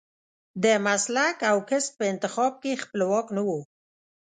د مسلک او کسب په انتخاب کې خپلواک نه و.